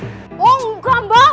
oh engga mbak